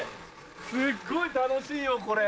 すっごい楽しいよこれ。